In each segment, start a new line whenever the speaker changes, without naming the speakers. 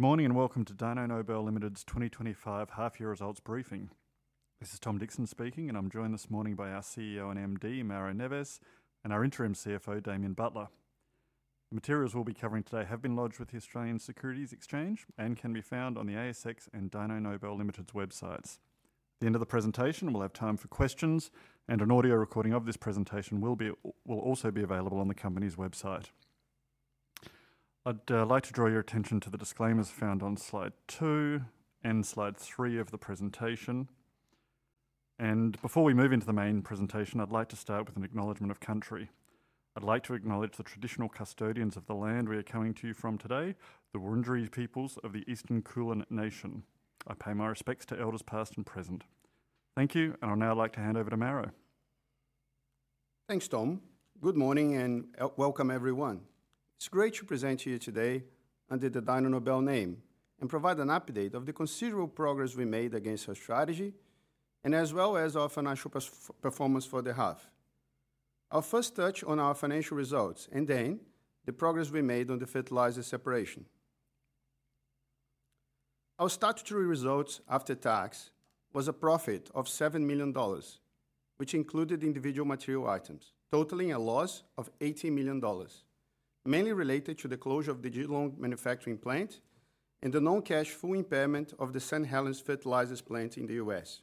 Good morning and welcome to Dyno Nobel Ltd's 2025 half-year results briefing. This is Tom Dixon speaking, and I'm joined this morning by our CEO and Managing Director, Mauro Neves, and our Interim CFO, Damian Buttler. The materials we'll be covering today have been lodged with the Australian Securities Exchange and can be found on the ASX and Dyno Nobel Ltd's websites. At the end of the presentation, we'll have time for questions, and an audio recording of this presentation will also be available on the company's website. I'd like to draw your attention to the disclaimers found on slide two and slide three of the presentation. Before we move into the main presentation, I'd like to start with an acknowledgement of country. I'd like to acknowledge the traditional custodians of the land we are coming to you from today, the Wurundjeri peoples of the Eastern Kulin Nation. I pay my respects to elders past and present. Thank you, and I'd now like to hand over to Mauro.
Thanks, Tom. Good morning and welcome, everyone. It's great to present to you today under the Dyno Nobel name and provide an update of the considerable progress we made against our strategy and as well as our financial performance for the half. I'll first touch on our financial results and then the progress we made on the fertilizer separation. Our statutory results after tax was a profit of 7 million dollars, which included individual material items, totaling a loss of 18 million dollars, mainly related to the closure of the Geelong manufacturing plant and the non-cash full impairment of the St. Helens fertilizers plant in the U.S..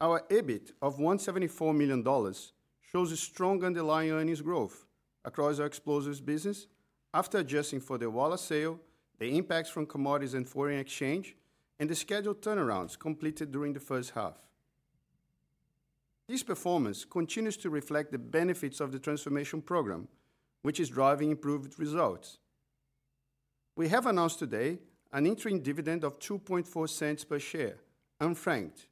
Our EBIT of 174 million dollars shows a strong underlying earnings growth across our explosives business after adjusting for the wallet sale, the impacts from commodities and foreign exchange, and the scheduled turnarounds completed during the first half. This performance continues to reflect the benefits of the transformation program, which is driving improved results. We have announced today an interim dividend of 0.024 per share, unfranked,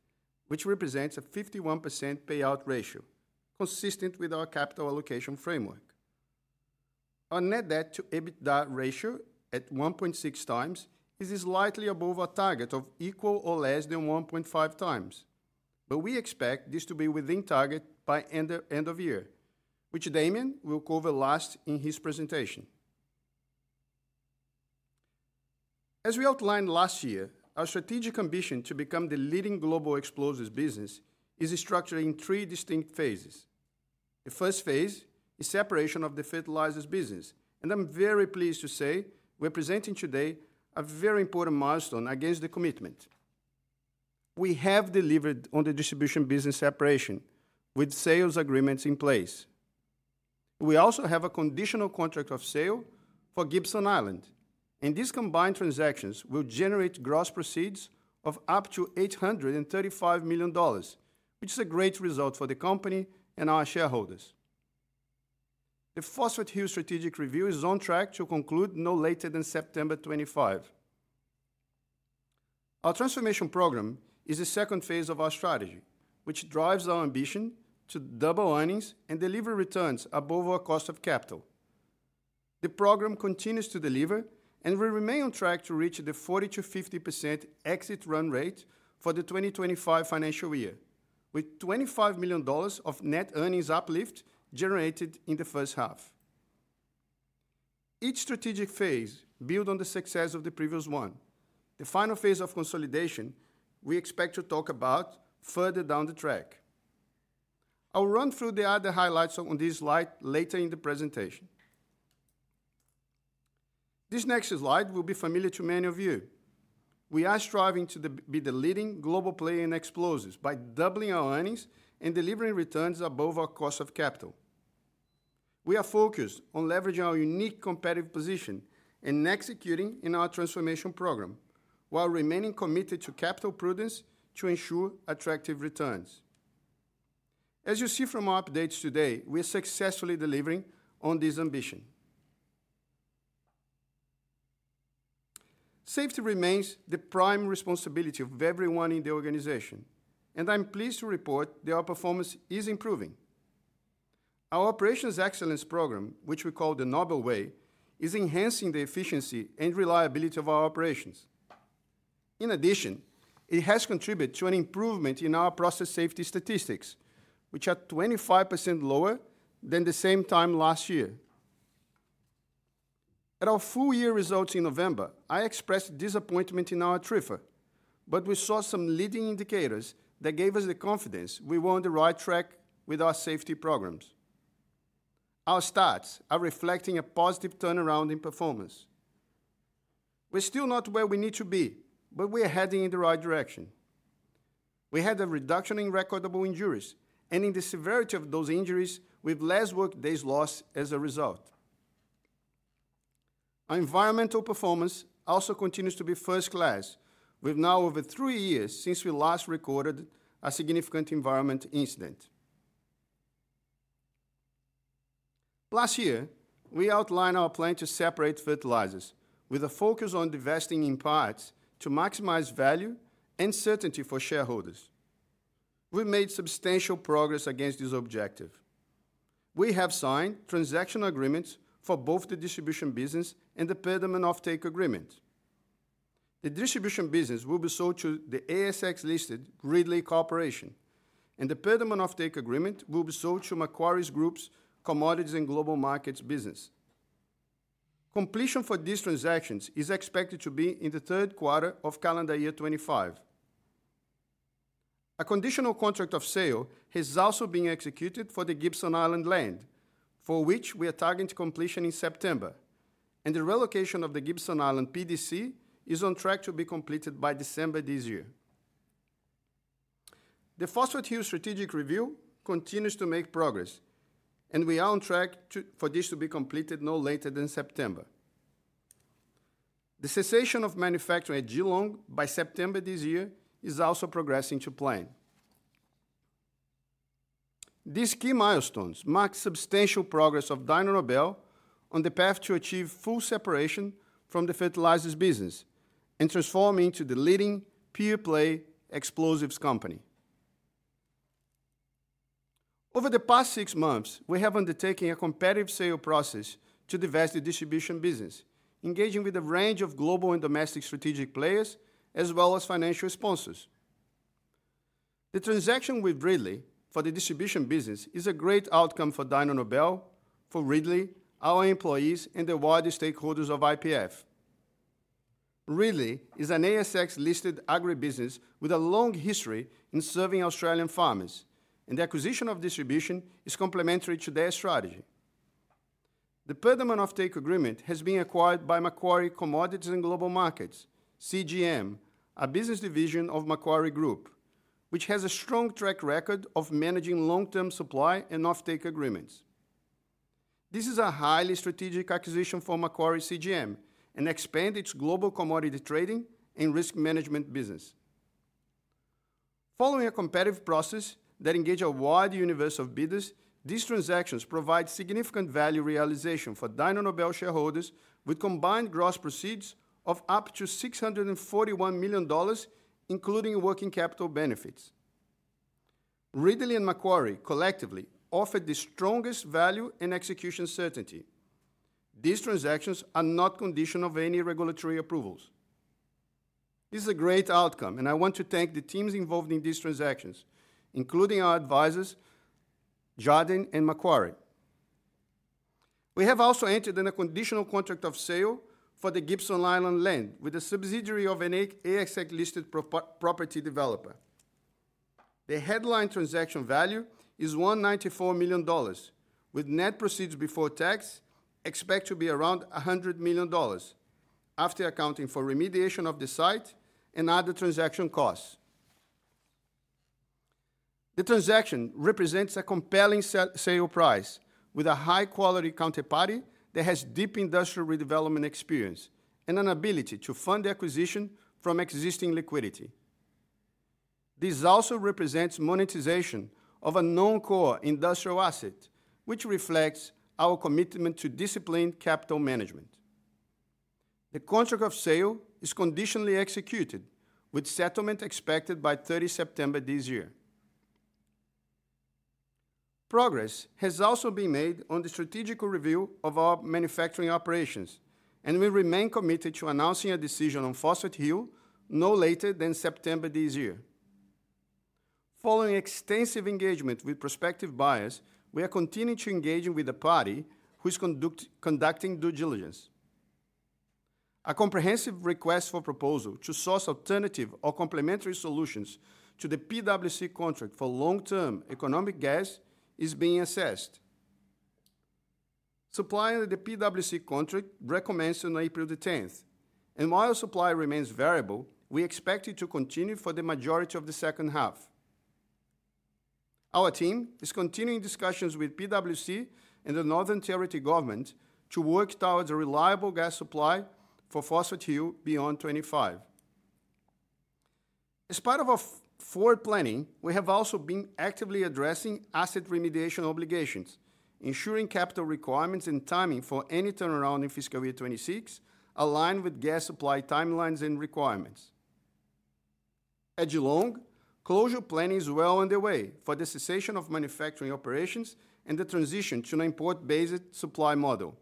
which represents a 51% payout ratio, consistent with our capital allocation framework. Our net debt to EBITDA ratio at 1.6 time is slightly above our target of equal or less than 1.5 times, but we expect this to be within target by end of year, which Damian will cover last in his presentation. As we outlined last year, our strategic ambition to become the leading global explosives business is structured in three distinct phases. The first phase is separation of the fertilizers business, and I'm very pleased to say we're presenting today a very important milestone against the commitment. We have delivered on the distribution business separation with sales agreements in place. We also have a conditional contract of sale for Gibson Island, and these combined transactions will generate gross proceeds of up to 835 million dollars, which is a great result for the company and our shareholders. The Phosphate Hill strategic review is on track to conclude no later than September 25. Our transformation program is the second phase of our strategy, which drives our ambition to double earnings and deliver returns above our cost of capital. The program continues to deliver, and we remain on track to reach the 40-50% exit run rate for the 2025 financial year, with 25 million dollars of net earnings uplift generated in the first half. Each strategic phase builds on the success of the previous one. The final phase of consolidation we expect to talk about further down the track. I'll run through the other highlights on this slide later in the presentation. This next slide will be familiar to many of you. We are striving to be the leading global player in explosives by doubling our earnings and delivering returns above our cost of capital. We are focused on leveraging our unique competitive position and executing in our transformation program while remaining committed to capital prudence to ensure attractive returns. As you see from our updates today, we are successfully delivering on this ambition. Safety remains the prime responsibility of everyone in the organization, and I'm pleased to report that our performance is improving. Our Operations Excellence program, which we call the Nobel Way, is enhancing the efficiency and reliability of our operations. In addition, it has contributed to an improvement in our process safety statistics, which are 25% lower than the same time last year. At our full year results in November, I expressed disappointment in our TRIFR, but we saw some leading indicators that gave us the confidence we were on the right track with our safety programs. Our stats are reflecting a positive turnaround in performance. We're still not where we need to be, but we are heading in the right direction. We had a reduction in recordable injuries, and in the severity of those injuries, we've less workdays lost as a result. Our environmental performance also continues to be first class. We've now over three years since we last recorded a significant environmental incident. Last year, we outlined our plan to separate fertilizers, with a focus on divesting in parts to maximize value and certainty for shareholders. We've made substantial progress against this objective. We have signed transactional agreements for both the distribution business and the per ton offtake agreement. The distribution business will be sold to the ASX-listed Ridley Corporation, and the per ton offtake agreement will be sold to Macquarie Group's Commodities and Global Markets business. Completion for these transactions is expected to be in the third quarter of calendar year 2025. A conditional contract of sale has also been executed for the Gibson Island land, for which we are targeting completion in September, and the relocation of the Gibson Island PDC is on track to be completed by December this year. The Phosphate Hill strategic review continues to make progress, and we are on track for this to be completed no later than September. The cessation of manufacturing at Geelong by September this year is also progressing to plan. These key milestones mark substantial progress of Dyno Nobel on the path to achieve full separation from the fertilizers business and transform into the leading pure-play explosives company. Over the past six months, we have undertaken a competitive sale process to divest the distribution business, engaging with a range of global and domestic strategic players as well as financial sponsors. The transaction with Ridley for the distribution business is a great outcome for Dyno Nobel, for Ridley, our employees, and the wider stakeholders of IPF. Ridley is an ASX-listed agribusiness with a long history in serving Australian farmers, and the acquisition of distribution is complementary to their strategy. The per ton offtake agreement has been acquired by Macquarie Commodities and Global Markets, CGM, a business division of Macquarie Group, which has a strong track record of managing long-term supply and offtake agreements. This is a highly strategic acquisition for Macquarie CGM and expands its global commodity trading and risk management business. Following a competitive process that engages a wide universe of bidders, these transactions provide significant value realization for Dyno Nobel shareholders with combined gross proceeds of up to 641 million dollars, including working capital benefits. Ridley and Macquarie collectively offer the strongest value and execution certainty. These transactions are not conditional of any regulatory approvals. This is a great outcome, and I want to thank the teams involved in these transactions, including our advisors, Jardinee and Macquarie. We have also entered in a conditional contract of sale for the Gibson Island land with a subsidiary of an ASX-listed property developer. The headline transaction value is 194 million dollars, with net proceeds before tax expected to be around 100 million dollars after accounting for remediation of the site and other transaction costs. The transaction represents a compelling sale price with a high-quality counterparty that has deep industrial redevelopment experience and an ability to fund the acquisition from existing liquidity. This also represents monetization of a non-core industrial asset, which reflects our commitment to disciplined capital management. The contract of sale is conditionally executed, with settlement expected by 30 September this year. Progress has also been made on the strategic review of our manufacturing operations, and we remain committed to announcing a decision on Phosphate Hill no later than September this year. Following extensive engagement with prospective buyers, we are continuing to engage with the party who is conducting due diligence. A comprehensive request for proposal to source alternative or complementary solutions to the PWC contract for long-term economic gas is being assessed. Supply under the PWC contract recommenced on April the 10th, and while supply remains variable, we expect it to continue for the majority of the second half. Our team is continuing discussions with PWC and the Northern Territory government to work towards a reliable gas supply for Phosphate Hill beyond 2025. As part of our forward planning, we have also been actively addressing asset remediation obligations, ensuring capital requirements and timing for any turnaround in fiscal year 2026 align with gas supply timelines and requirements. At Geelong, closure planning is well underway for the cessation of manufacturing operations and the transition to an import-based supply model.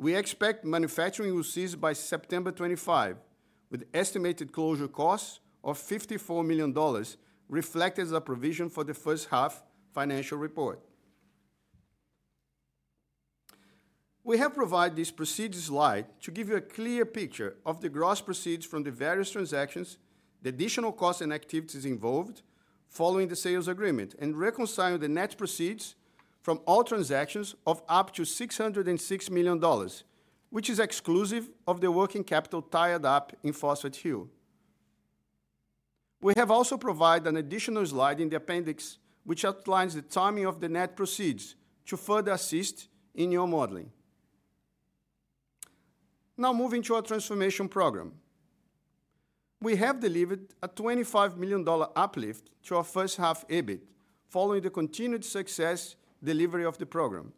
We expect manufacturing will cease by September 2025, with estimated closure costs of 54 million dollars reflected as a provision for the first half financial report. We have provided this proceeds slide to give you a clear picture of the gross proceeds from the various transactions, the additional costs and activities involved following the sales agreement, and reconciling the net proceeds from all transactions of up to 606 million dollars, which is exclusive of the working capital tied up in Phosphate Hill. We have also provided an additional slide in the appendix, which outlines the timing of the net proceeds to further assist in your modeling. Now, moving to our transformation program. We have delivered a 25 million dollar uplift to our first half EBIT following the continued success delivery of the program.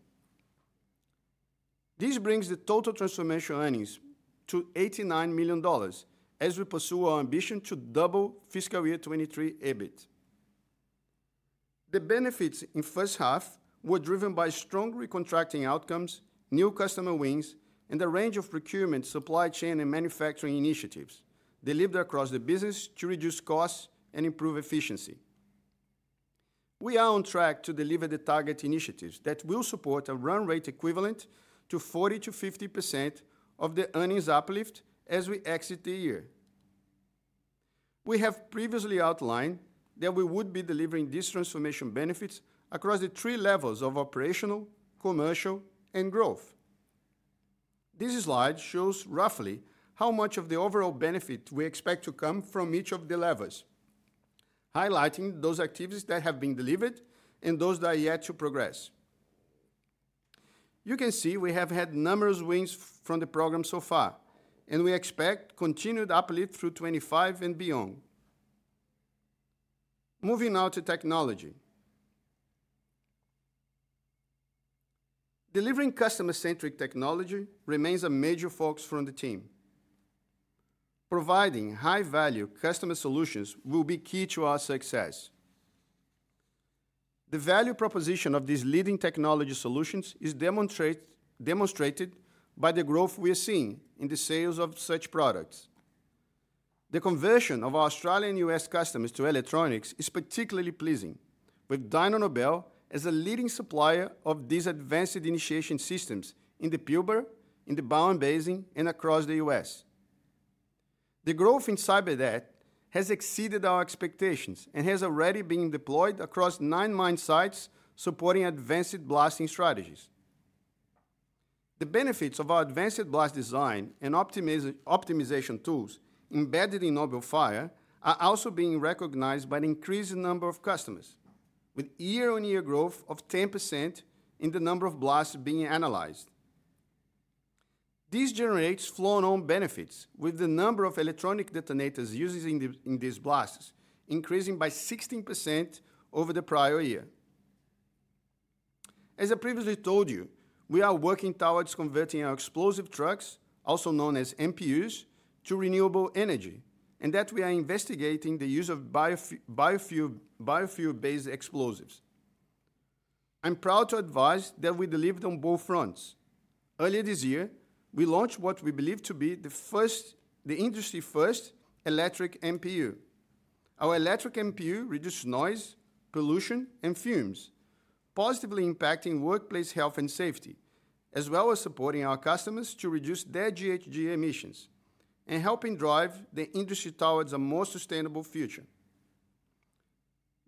This brings the total transformation earnings to 89 million dollars as we pursue our ambition to double fiscal year 2023 EBIT. The benefits in first half were driven by strong recontracting outcomes, new customer wins, and a range of procurement, supply chain, and manufacturing initiatives delivered across the business to reduce costs and improve efficiency. We are on track to deliver the target initiatives that will support a run rate equivalent to 40-50% of the earnings uplift as we exit the year. We have previously outlined that we would be delivering these transformation benefits across the three levels of operational, commercial, and growth. This slide shows roughly how much of the overall benefit we expect to come from each of the levels, highlighting those activities that have been delivered and those that are yet to progress. You can see we have had numerous wins from the program so far, and we expect continued uplift through 2025 and beyond. Moving now to technology. Delivering customer-centric technology remains a major focus for the team. Providing high-value customer solutions will be key to our success. The value proposition of these leading technology solutions is demonstrated by the growth we are seeing in the sales of such products. The conversion of our Australian and U.S. customers to electronics is particularly pleasing, with Dyno Nobel as a leading supplier of these advanced initiation systems in the Pilbara, in the Bowen Basin, and across the U.S. The growth in CyberDet has exceeded our expectations and has already been deployed across nine mine sites supporting advanced blasting strategies. The benefits of our advanced blast design and optimization tools embedded in Nobel Fire are also being recognized by an increasing number of customers, with year-on-year growth of 10% in the number of blasts being analyzed. This generates flow-on benefits with the number of electronic detonators used in these blasts increasing by 16% over the prior year. As I previously told you, we are working towards converting our explosive trucks, also known as MPUs, to renewable energy, and that we are investigating the use of biofuel-based explosives. I'm proud to advise that we delivered on both fronts. Earlier this year, we launched what we believe to be the industry-first electric MPU. Our electric MPU reduces noise, pollution, and fumes, positively impacting workplace health and safety, as well as supporting our customers to reduce their GHG emissions and helping drive the industry towards a more sustainable future.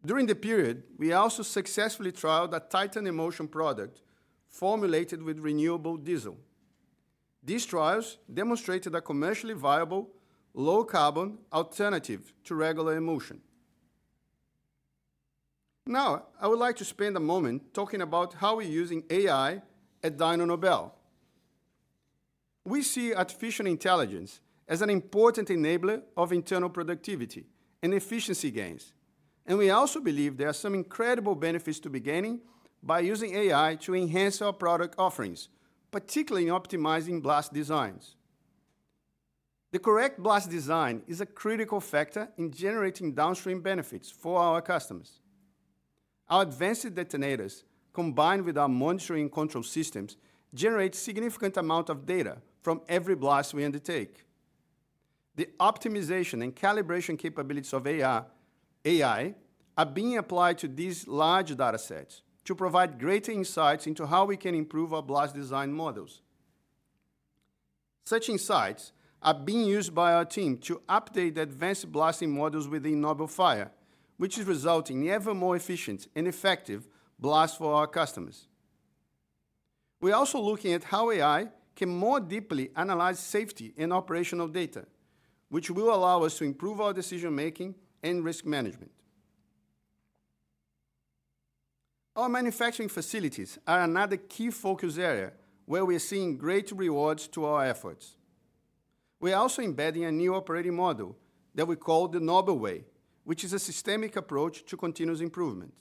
During the period, we also successfully trialed a titanium emulsion product formulated with renewable diesel. These trials demonstrated a commercially viable, low-carbon alternative to regular emulsion. Now, I would like to spend a moment talking about how we're using AI at Dyno Nobel. We see artificial intelligence as an important enabler of internal productivity and efficiency gains, and we also believe there are some incredible benefits to be gained by using AI to enhance our product offerings, particularly in optimizing blast designs. The correct blast design is a critical factor in generating downstream benefits for our customers. Our advanced detonators, combined with our monitoring and control systems, generate a significant amount of data from every blast we undertake. The optimization and calibration capabilities of AI are being applied to these large data sets to provide greater insights into how we can improve our blast design models. Such insights are being used by our team to update the advanced blasting models within Nobel Fire, which is resulting in ever more efficient and effective blasts for our customers. We are also looking at how AI can more deeply analyze safety and operational data, which will allow us to improve our decision-making and risk management. Our manufacturing facilities are another key focus area where we are seeing great rewards to our efforts. We are also embedding a new operating model that we call the Nobel Way, which is a systemic approach to continuous improvement.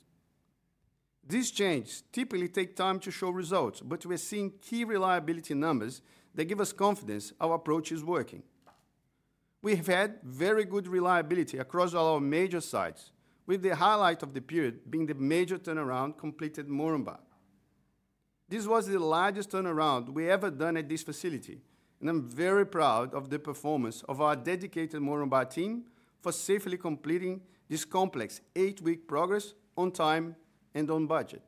These changes typically take time to show results, but we are seeing key reliability numbers that give us confidence our approach is working. We have had very good reliability across all our major sites, with the highlight of the period being the major turnaround completed in Moranbah. This was the largest turnaround we have ever done at this facility, and I'm very proud of the performance of our dedicated Moranbah team for safely completing this complex eight-week progress on time and on budget.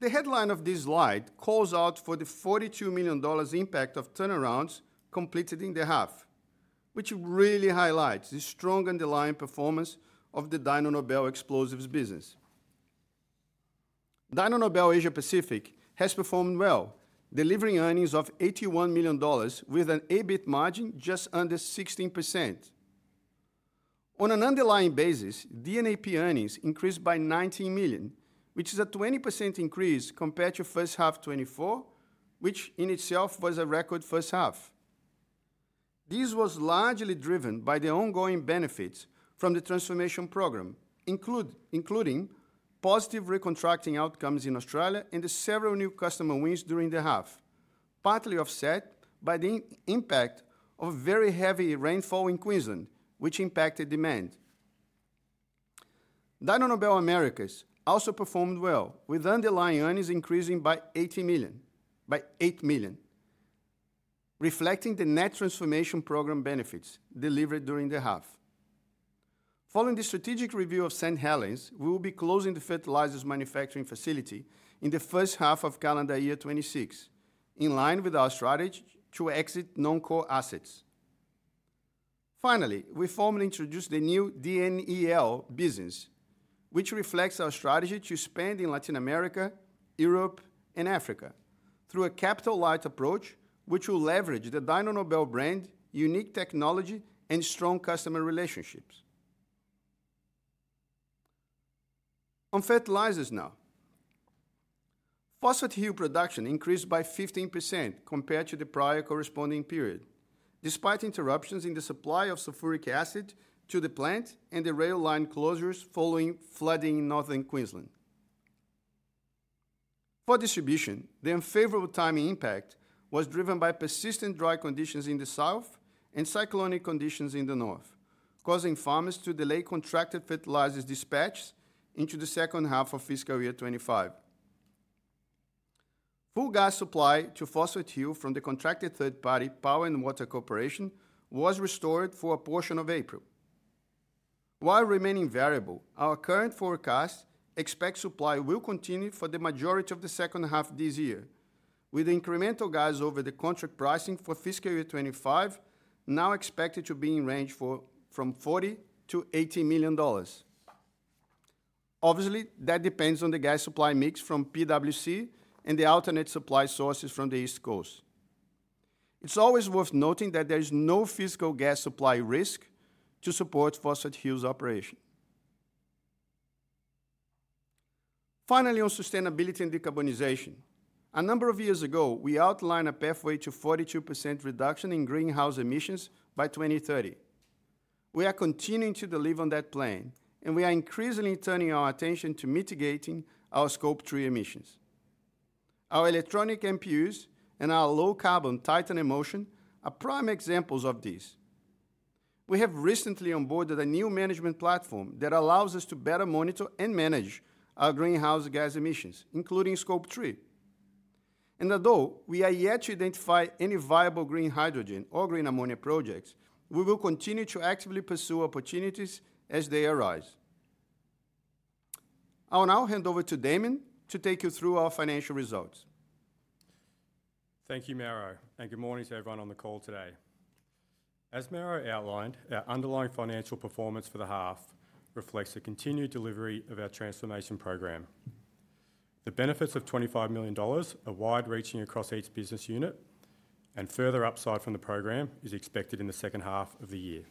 The headline of this slide calls out for the 42 million dollars impact of turnarounds completed in the half, which really highlights the strong underlying performance of the Dyno Nobel Explosives business. Dyno Nobel Asia-Pacific has performed well, delivering earnings of 81 million dollars with an EBIT margin just under 16%. On an underlying basis, DNAP earnings increased by 19 million, which is a 20% increase compared to first half 2024, which in itself was a record first half. This was largely driven by the ongoing benefits from the transformation program, including positive recontracting outcomes in Australia and several new customer wins during the half, partly offset by the impact of very heavy rainfall in Queensland, which impacted demand. Dyno Nobel Americas also performed well, with underlying earnings increasing by 80 million, by 8 million, reflecting the net transformation program benefits delivered during the half. Following the strategic reviews of St. Helens, we will be closing the fertilizers manufacturing facility in the first half of calendar year 2026, in line with our strategy to exit non-core assets. Finally, we formally introduced the new DNEL business, which reflects our strategy to expand in Latin America, Europe, and Africa through a capital-light approach, which will leverage the Dyno Nobel brand, unique technology, and strong customer relationships. On fertilizers now. Phosphate Hill production increased by 15% compared to the prior corresponding period, despite interruptions in the supply of sulfuric acid to the plant and the rail line closures following flooding in Northern Queensland. For distribution, the unfavorable timing impact was driven by persistent dry conditions in the south and cyclonic conditions in the north, causing farmers to delay contracted fertilizers dispatch into the second half of fiscal year 2025. Full gas supply to Phosphate Hill from the contracted third-party Power and Water Corporation was restored for a portion of April. While remaining variable, our current forecast expects supply will continue for the majority of the second half of this year, with incremental gas over the contract pricing for fiscal year 2025 now expected to be in the range from 40 million-80 million dollars. Obviously, that depends on the gas supply mix from PWC and the alternate supply sources from the East Coast. It's always worth noting that there is no fiscal gas supply risk to support Phosphate Hill's operation. Finally, on sustainability and decarbonization. A number of years ago, we outlined a pathway to 42% reduction in greenhouse emissions by 2030. We are continuing to deliver on that plan, and we are increasingly turning our attention to mitigating our scope three emissions. Our electronic MPUs and our low-carbon titanium emulsion are prime examples of this. We have recently onboarded a new management platform that allows us to better monitor and manage our greenhouse gas emissions, including scope three. Although we are yet to identify any viable green hydrogen or green ammonia projects, we will continue to actively pursue opportunities as they arise. I'll now hand over to Damian to take you through our financial results.
Thank you, Mauro, and good morning to everyone on the call today. As Mauro outlined, our underlying financial performance for the half reflects the continued delivery of our transformation program. The benefits of 25 million dollars, wide-reaching across each business unit, and further upside from the program is expected in the second half of the year.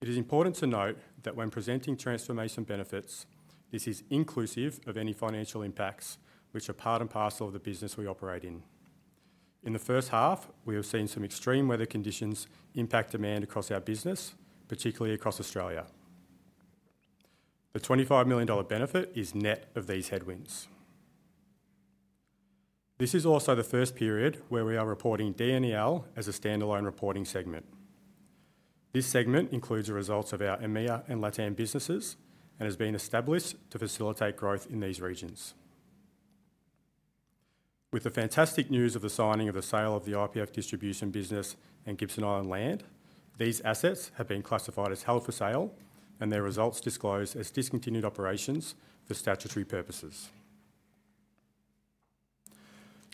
It is important to note that when presenting transformation benefits, this is inclusive of any financial impacts which are part and parcel of the business we operate in. In the first half, we have seen some extreme weather conditions impact demand across our business, particularly across Australia. The 25 million dollar benefit is net of these headwinds. This is also the first period where we are reporting DNEL as a standalone reporting segment. This segment includes the results of our EMEA and LATAM businesses and has been established to facilitate growth in these regions. With the fantastic news of the signing of the sale of the IPF distribution business and Gibson Island land, these assets have been classified as held for sale, and their results disclosed as discontinued operations for statutory purposes.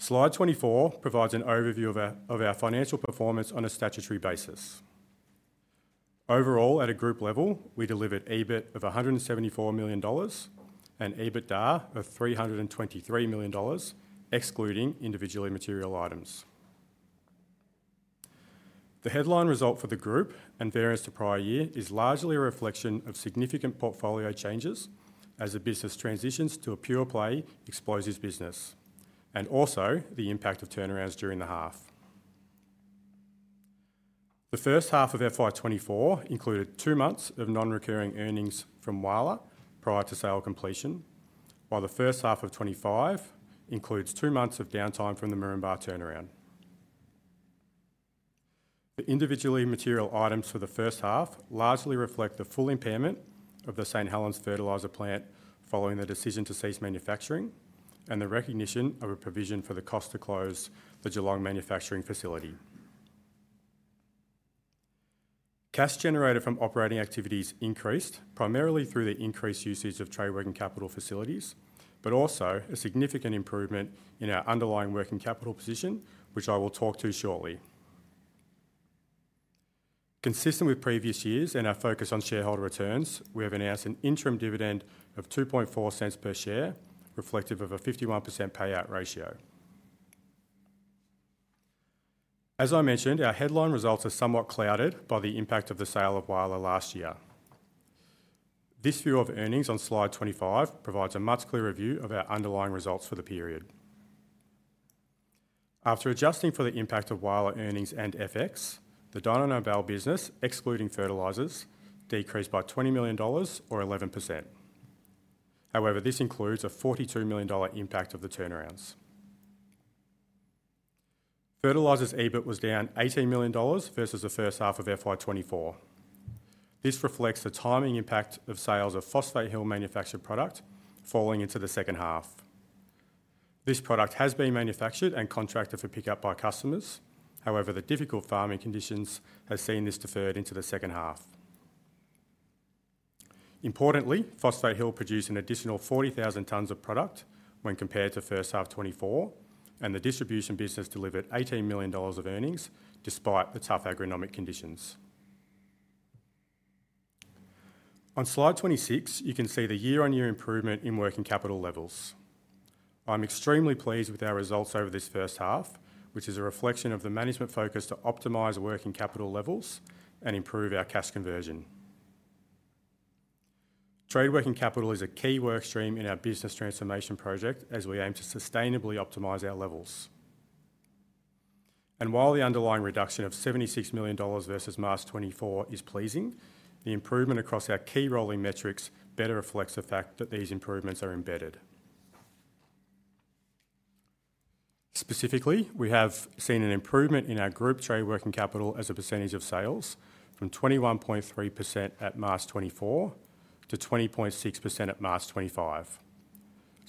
Slide 24 provides an overview of our financial performance on a statutory basis. Overall, at a group level, we delivered EBIT of 174 million dollars and EBITDA of 323 million dollars, excluding individually material items. The headline result for the group and variance to prior year is largely a reflection of significant portfolio changes as the business transitions to a pure-play explosives business and also the impact of turnarounds during the half. The first half of FY 2024 included two months of non-recurring earnings from WALA prior to sale completion, while the first half of 2025 includes two months of downtime from the Moranbah turnaround. The individually material items for the first half largely reflect the full impairment of the St. Helens fertilizer plant following the decision to cease manufacturing and the recognition of a provision for the cost to close the Geelong manufacturing facility. Cash generated from operating activities increased primarily through the increased usage of trade working capital facilities, but also a significant improvement in our underlying working capital position, which I will talk to shortly. Consistent with previous years and our focus on shareholder returns, we have announced an interim dividend of 0.024 per share, reflective of a 51% payout ratio. As I mentioned, our headline results are somewhat clouded by the impact of the sale of WALA last year. This view of earnings on slide 25 provides a much clearer view of our underlying results for the period. After adjusting for the impact of WALA earnings and FX, the Dyno Nobel business, excluding fertilizers, decreased by 20 million dollars, or 11%. However, this includes a 42 million dollar impact of the turnarounds. Fertilizers EBIT was down 18 million dollars versus the first half of FY 2024. This reflects the timing impact of sales of Phosphate Hill manufactured product falling into the second half. This product has been manufactured and contracted for pickup by customers; however, the difficult farming conditions have seen this deferred into the second half. Importantly, Phosphate Hill produced an additional 40,000 tons of product when compared to first half 2024, and the distribution business delivered 18 million dollars of earnings despite the tough agronomic conditions. On slide 26, you can see the year-on-year improvement in working capital levels. I'm extremely pleased with our results over this first half, which is a reflection of the management focus to optimize working capital levels and improve our cash conversion. Trade working capital is a key workstream in our business transformation project as we aim to sustainably optimize our levels. While the underlying reduction of 76 million dollars versus March 2024 is pleasing, the improvement across our key rolling metrics better reflects the fact that these improvements are embedded. Specifically, we have seen an improvement in our group trade working capital as a percentage of sales from 21.3% at March 2024 to 20.6% at March 2025.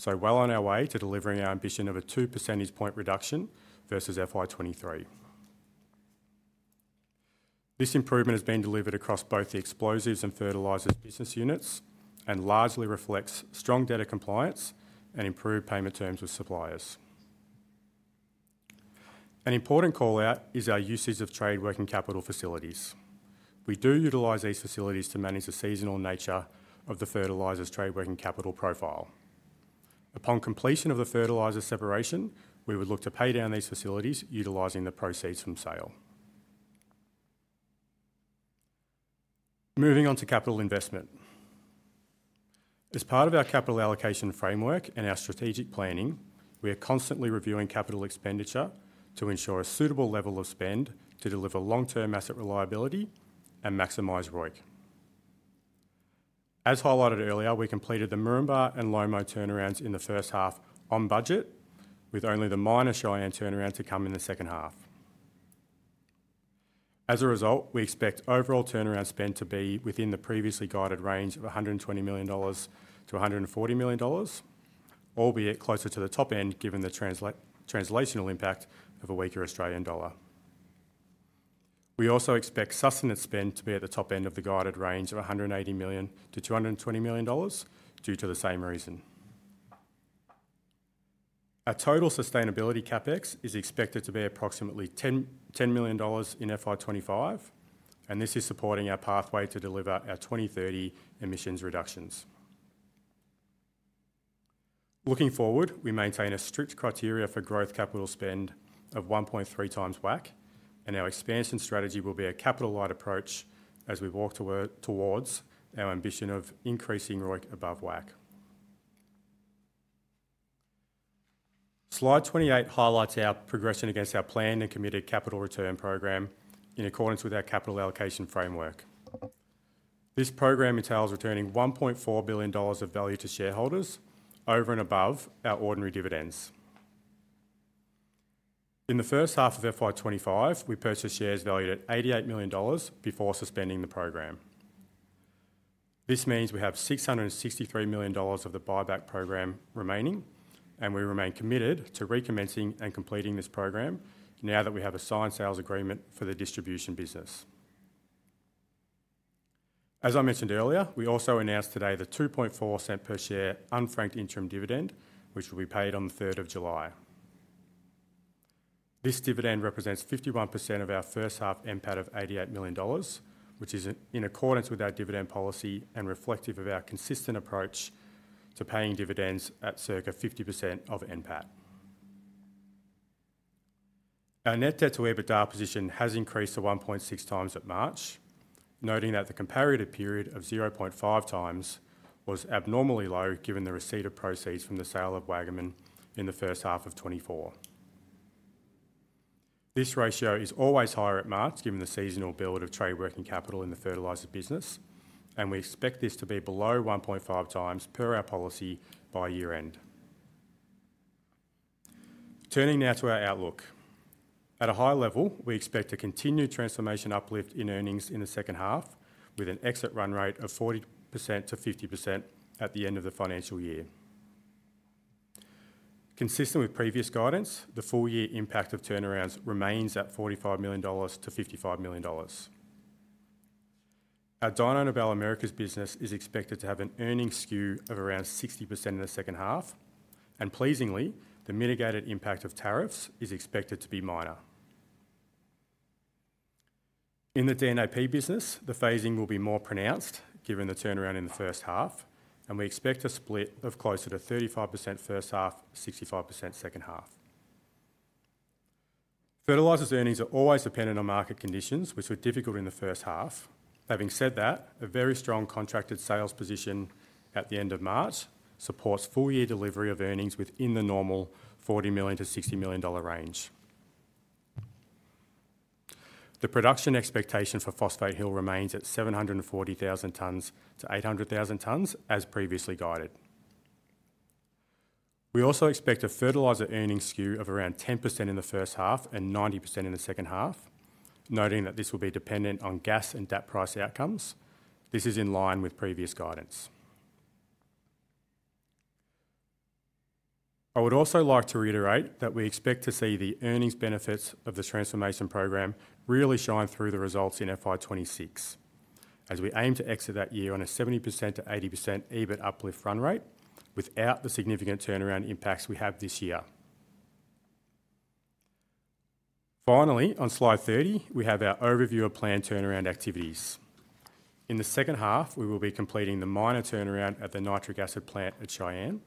We are well on our way to delivering our ambition of a 2 percentage point reduction versus FY 2023. This improvement has been delivered across both the explosives and fertilizers business units and largely reflects strong data compliance and improved payment terms with suppliers. An important callout is our usage of trade working capital facilities. We do utilize these facilities to manage the seasonal nature of the fertilizers trade working capital profile. Upon completion of the fertilizer separation, we would look to pay down these facilities utilizing the proceeds from sale. Moving on to capital investment. As part of our capital allocation framework and our strategic planning, we are constantly reviewing capital expenditure to ensure a suitable level of spend to deliver long-term asset reliability and maximize ROIC. As highlighted earlier, we completed the Moranbah and LOMO turnarounds in the first half on budget, with only the minor Cheyenne turnaround to come in the second half. As a result, we expect overall turnaround spend to be within the previously guided range of 120 million-140 million dollars, albeit closer to the top end given the translational impact of a weaker Australian dollar. We also expect sustenance spend to be at the top end of the guided range of 180 million-220 million dollars due to the same reason. Our total sustainability CapEx is expected to be approximately 10 million dollars in FY 2025, and this is supporting our pathway to deliver our 2030 emissions reductions. Looking forward, we maintain a strict criteria for growth capital spend of 1.3 times WACC, and our expansion strategy will be a capital-light approach as we walk towards our ambition of increasing ROIC above WACC. Slide 28 highlights our progression against our planned and committed capital return program in accordance with our capital allocation framework. This program entails returning 1.4 billion dollars of value to shareholders over and above our ordinary dividends. In the first half of FY 2025, we purchased shares valued at 88 million dollars before suspending the program. This means we have 663 million dollars of the buyback program remaining, and we remain committed to recommencing and completing this program now that we have a signed sales agreement for the distribution business. As I mentioned earlier, we also announced today the 0.024 per share unfranked interim dividend, which will be paid on the 3rd of July. This dividend represents 51% of our first half NPAT of 88 million dollars, which is in accordance with our dividend policy and reflective of our consistent approach to paying dividends at circa 50% of NPAT. Our net debt to EBITDA position has increased to 1.6x at March, noting that the comparative period of 0.5 times was abnormally low given the receipt of proceeds from the sale of Wagamon in the first half of 2024. This ratio is always higher at March given the seasonal build of trade working capital in the fertilizer business, and we expect this to be below 1.5x per our policy by year-end. Turning now to our outlook. At a high level, we expect a continued transformation uplift in earnings in the second half, with an exit run rate of 40%-50% at the end of the financial year. Consistent with previous guidance, the full year impact of turnarounds remains at 45 million-55 million dollars. Our Dyno Nobel America's business is expected to have an earnings skew of around 60% in the second half, and pleasingly, the mitigated impact of tariffs is expected to be minor. In the DNAP business, the phasing will be more pronounced given the turnaround in the first half, and we expect a split of closer to 35% first half, 65% second half. Fertilizers earnings are always dependent on market conditions, which were difficult in the first half. Having said that, a very strong contracted sales position at the end of March supports full year delivery of earnings within the normal 40 million-60 million dollar range. The production expectation for Phosphate Hill remains at 740,000 tons-800,000 tons as previously guided. We also expect a fertilizer earnings skew of around 10% in the first half and 90% in the second half, noting that this will be dependent on gas and debt price outcomes. This is in line with previous guidance. I would also like to reiterate that we expect to see the earnings benefits of the transformation program really shine through the results in FY 2026, as we aim to exit that year on a 70%-80% EBIT uplift run rate without the significant turnaround impacts we have this year. Finally, on slide 30, we have our overview of planned turnaround activities. In the second half, we will be completing the minor turnaround at the nitric acid plant at Cheyenne.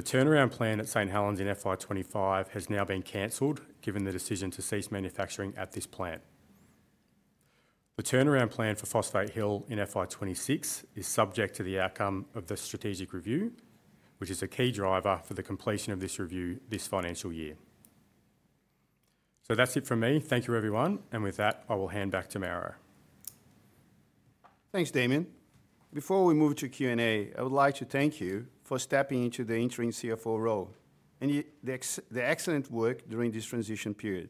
The turnaround plan at St. Helens in FY 2025 has now been cancelled given the decision to cease manufacturing at this plant. The turnaround plan for Phosphate Hill in FY 2026 is subject to the outcome of the strategic review, which is a key driver for the completion of this review this financial year. That is it from me. Thank you, everyone. With that, I will hand back to Mauro.
Thanks, Damian. Before we move to Q&A, I would like to thank you for stepping into the Interim CFO role and the excellent work during this transition period.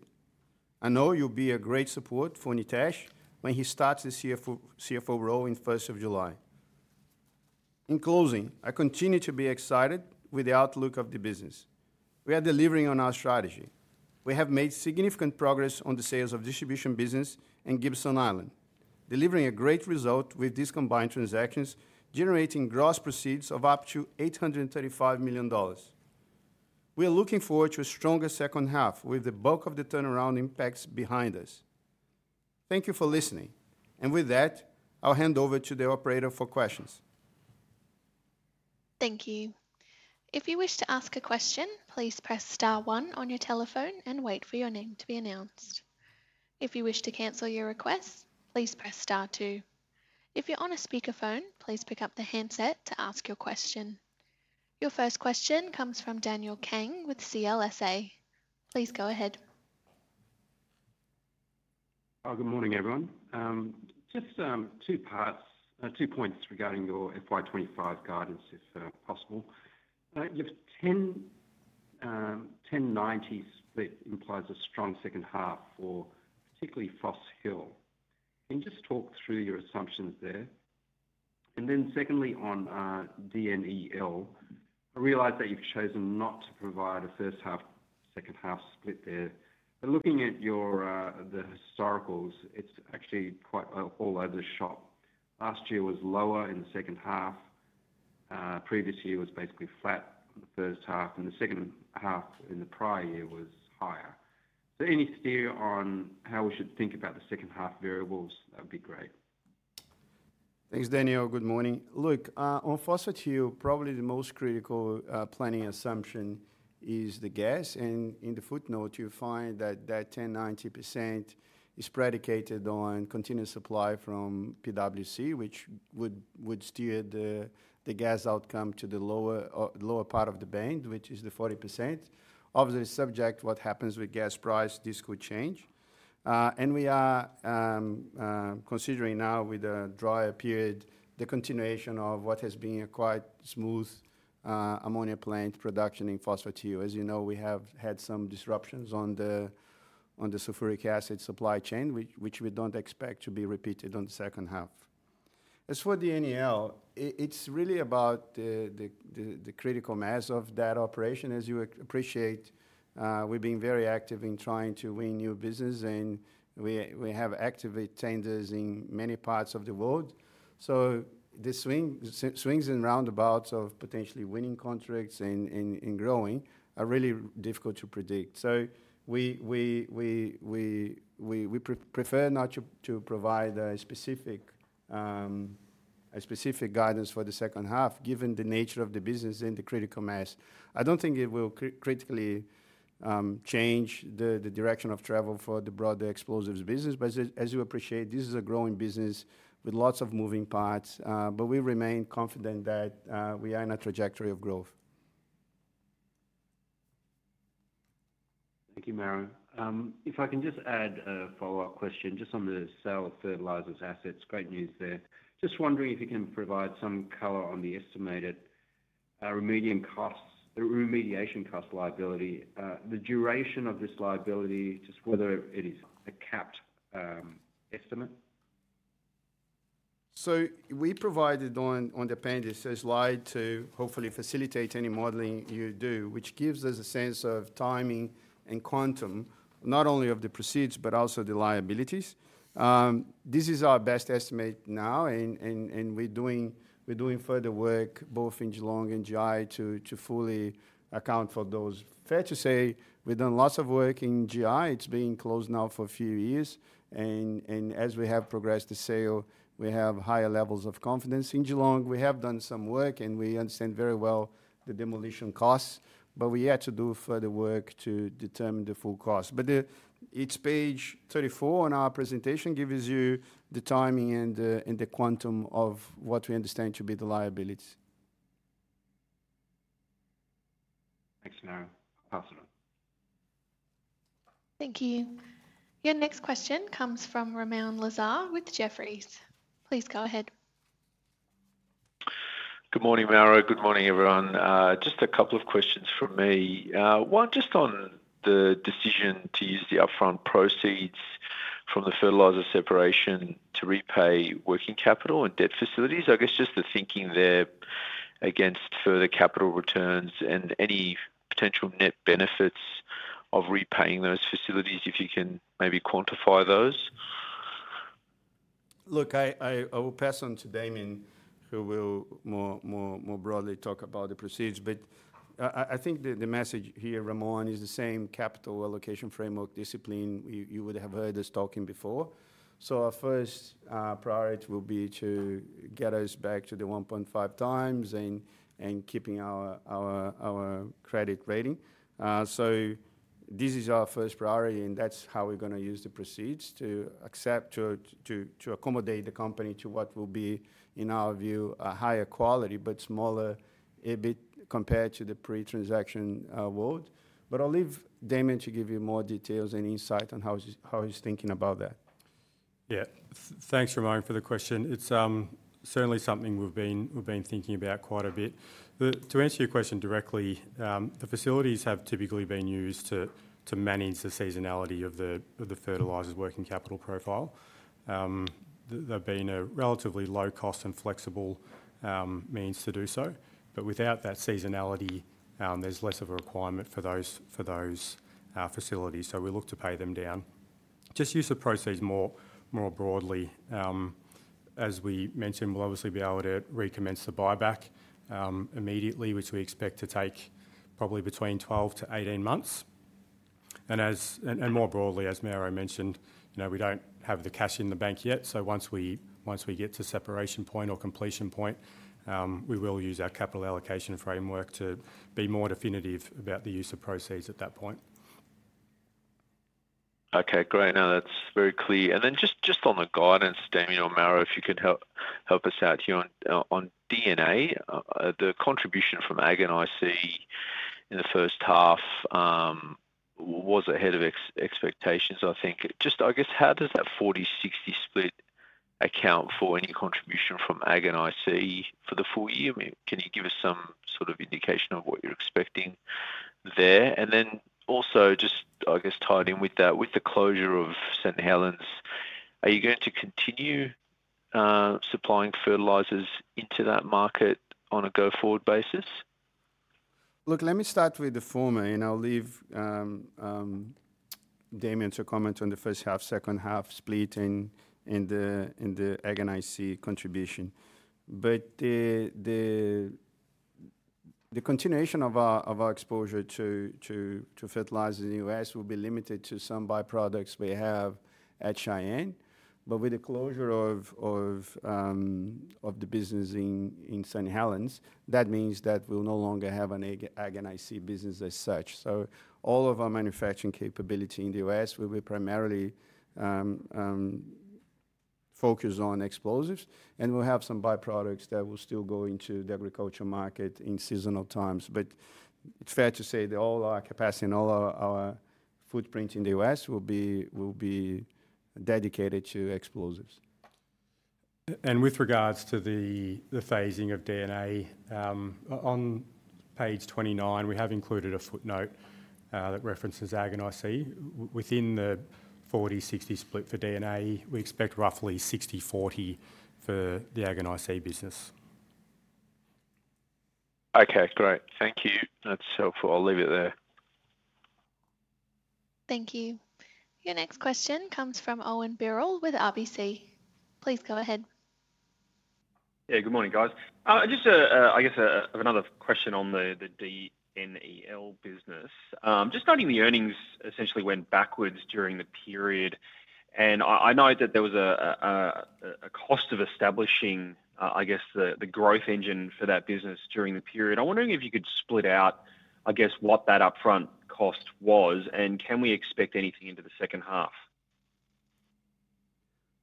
I know you will be a great support for Nitesh when he starts the CFO role in first of July. In closing, I continue to be excited with the outlook of the business. We are delivering on our strategy. We have made significant progress on the sales of distribution business and Gibson Island, delivering a great result with these combined transactions, generating gross proceeds of up to 835 million dollars. We are looking forward to a stronger second half with the bulk of the turnaround impacts behind us. Thank you for listening. With that, I'll hand over to the operator for questions.
Thank you. If you wish to ask a question, please press star one on your telephone and wait for your name to be announced. If you wish to cancel your request, please press star two. If you are on a speakerphone, please pick up the handset to ask your question. Your first question comes from Daniel Kang with CLSA. Please go ahead.
Good morning, everyone. Just two parts, two points regarding your FY 2025 guidance, if possible. You have 1090s, which implies a strong second half for particularly Phosphate Hill. Can you just talk through your assumptions there? Then secondly, on DNEL, I realize that you have chosen not to provide a first half, second half split there. Looking at the historicals, it's actually quite all over the shop. Last year was lower in the second half. Previous year was basically flat in the first half, and the second half in the prior year was higher. Any steer on how we should think about the second half variables? That would be great.
Thanks, Daniel. Good morning. Look, on Phosphate Hill, probably the most critical planning assumption is the gas. In the footnote, you find that that 10-90% is predicated on continuous supply from PWC, which would steer the gas outcome to the lower part of the band, which is the 40%. Obviously, subject to what happens with gas price, this could change. We are considering now, with a drier period, the continuation of what has been a quite smooth ammonia plant production in Phosphate Hill. As you know, we have had some disruptions on the sulfuric acid supply chain, which we do not expect to be repeated in the second half. As for DNEL, it is really about the critical mass of that operation. As you appreciate, we have been very active in trying to win new business, and we have active tenders in many parts of the world. The swings and roundabouts of potentially winning contracts and growing are really difficult to predict. We prefer not to provide a specific guidance for the second half, given the nature of the business and the critical mass. I do not think it will critically change the direction of travel for the broader explosives business. As you appreciate, this is a growing business with lots of moving parts. We remain confident that we are in a trajectory of growth.
Thank you, Mauro. If I can just add a follow-up question just on the sale of fertilizers assets, great news there. Just wondering if you can provide some color on the estimated remediation cost liability, the duration of this liability, just whether it is a capped estimate?
We provided on the appendix a slide to hopefully facilitate any modeling you do, which gives us a sense of timing and quantum, not only of the proceeds, but also the liabilities. This is our best estimate now, and we're doing further work, both in Geelong and GI, to fully account for those. Fair to say we've done lots of work in GI. It's been closed now for a few years. As we have progressed to sale, we have higher levels of confidence. In Geelong, we have done some work, and we understand very well the demolition costs. We had to do further work to determine the full cost. Page 34 on our presentation gives you the timing and the quantum of what we understand to be the liabilities.
Thanks, Mauro. Thank you.
Your next question comes from Ramoun Lazar with Jefferies. Please go ahead.
Good morning, Mauro. Good morning, everyone. Just a couple of questions from me. One, just on the decision to use the upfront proceeds from the fertilizer separation to repay working capital and debt facilities. I guess just the thinking there against further capital returns and any potential net benefits of repaying those facilities, if you can maybe quantify those?
Look, I will pass on to Damian, who will more broadly talk about the proceeds. I think the message here, Ramoun, is the same capital allocation framework discipline. You would have heard us talking before. Our first priority will be to get us back to the 1.5x and keeping our credit rating. This is our first priority, and that's how we're going to use the proceeds to accept to accommodate the company to what will be, in our view, a higher quality, but smaller EBIT compared to the pre-transaction world. I'll leave Damian to give you more details and insight on how he's thinking about that.
Yeah. Thanks, Ramoun, for the question. It's certainly something we've been thinking about quite a bit. To answer your question directly, the facilities have typically been used to manage the seasonality of the fertilizers working capital profile. They have been a relatively low cost and flexible means to do so. Without that seasonality, there's less of a requirement for those facilities. We look to pay them down. Just use the proceeds more broadly. As we mentioned, we'll obviously be able to recommence the buyback immediately, which we expect to take probably between 12-18 months. More broadly, as Mauro mentioned, we do not have the cash in the bank yet. Once we get to separation point or completion point, we will use our capital allocation framework to be more definitive about the use of proceeds at that point.
Okay, great. That is very clear. Then just on the guidance, Damian or Mauro, if you can help us out here on DNA, the contribution from Ag&IC in the first half was ahead of expectations, I think. Just, I guess, how does that 40-60 split account for any contribution from Ag&IC for the full year? Can you give us some sort of indication of what you are expecting there? Also, just, I guess, tied in with that, with the closure of St. Helens, are you going to continue supplying fertilizers into that market on a go-forward basis?
Look, let me start with the former, and I'll leave Damian to comment on the first half, second half split and the Ag&IC contribution. The continuation of our exposure to fertilizers in the U.S. will be limited to some byproducts we have at Cheyenne. With the closure of the business in St. Helens, that means that we'll no longer have an Ag&IC business as such. All of our manufacturing capability in the U.S. will be primarily focused on explosives. We'll have some byproducts that will still go into the agriculture market in seasonal times. It is fair to say that all our capacity and all our footprint in the U.S. will be dedicated to explosives.
With regards to the phasing of DNA, on page 29, we have included a footnote that references Ag&IC. Within the 40%/60% split for DNA, we expect roughly 60%/40% for the Ag&IC business.
Okay, great. Thank you. That is helpful. I will leave it there.
Thank you. Your next question comes from Owen Birrell with RBC. Please go ahead.
Yeah, good morning, guys. Just, I guess, another question on the DNEL business. Just noting the earnings essentially went backwards during the period. I know that there was a cost of establishing, I guess, the growth engine for that business during the period. I am wondering if you could split out, I guess, what that upfront cost was, and can we expect anything into the second half?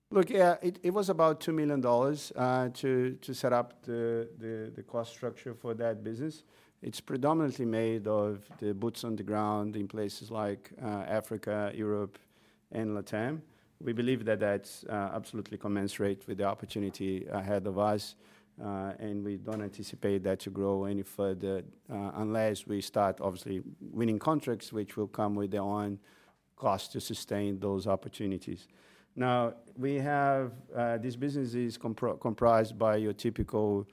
Look, yeah, it was about 2 million dollars to set up the cost structure for that business. It's predominantly made of the boots on the ground in places like Africa, Europe, and LatAm. We believe that that's absolutely commensurate with the opportunity ahead of us. We don't anticipate that to grow any further unless we start, obviously, winning contracts, which will come with their own cost to sustain those opportunities. Now, this business is comprised by your typical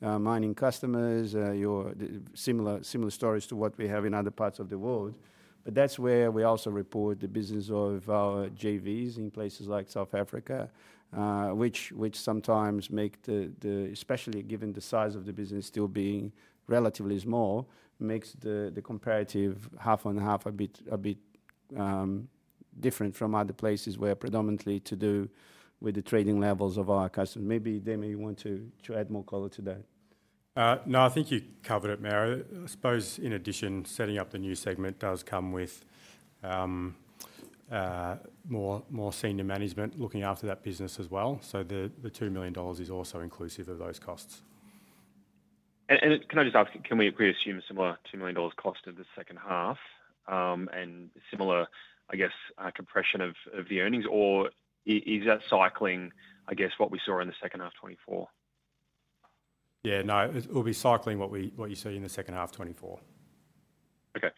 mining customers, similar stories to what we have in other parts of the world. That is where we also report the business of our JVs in places like South Africa, which sometimes make, especially given the size of the business still being relatively small, makes the comparative half and half a bit different from other places where predominantly to do with the trading levels of our customers. Maybe Damian wants to add more color to that.
No, I think you covered it, Mauro. I suppose in addition, setting up the new segment does come with more senior management looking after that business as well. So the 2 million dollars is also inclusive of those costs.
Can I just ask, can we assume a similar 2 million dollars cost in the second half and similar, I guess, compression of the earnings? Or is that cycling, I guess, what we saw in the second half 2024?
Yeah, no, it will be cycling what you see in the second half 2024.
Okay.